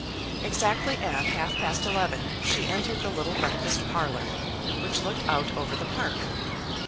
Exactly at half past eleven she entered the little breakfast parlour which looked out over the park.